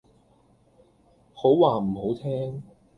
好話唔好聽